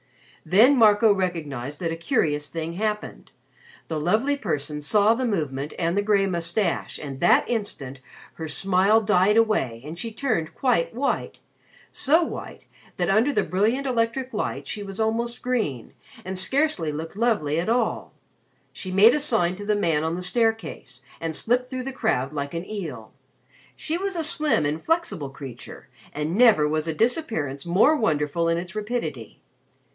Then Marco recognized that a curious thing happened. The Lovely Person saw the movement and the gray moustache, and that instant her smile died away and she turned quite white so white, that under the brilliant electric light she was almost green and scarcely looked lovely at all. She made a sign to the man on the staircase and slipped through the crowd like an eel. She was a slim flexible creature and never was a disappearance more wonderful in its rapidity.